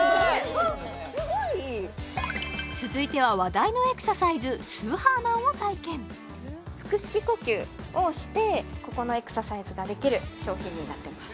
すごいいい続いては話題のエクササイズスーハーマンを体験腹式呼吸をしてここのエクササイズができる商品になってます